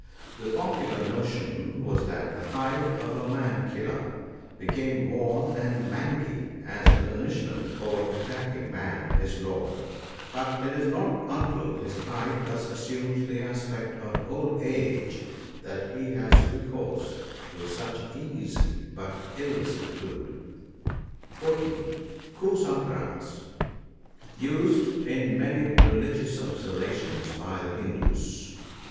The popular notion was that the hide of a *' man killer " became worn and mangy as a punishment for attacking man, his lord ; but it is not until his hide thus assumes the aspect of old age that he has recourse to such easy but illicit food. (14.) Kusa grass. — Used in many religious observances by the Hindoos.